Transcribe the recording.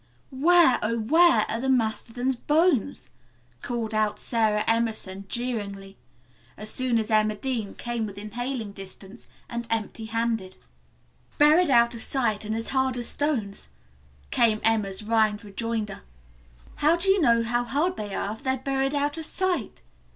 "Where, oh, where, are the mastodon's bones?" called out Sara Emerson jeeringly, as soon as Emma Dean came within hailing distance and empty handed. "Buried out of sight and as hard as stones," came Emma's rhymed rejoinder. "How do you know how hard they are if they're buried out of sight!"